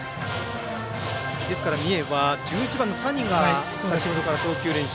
三重は１１番の谷が先ほどから投球練習。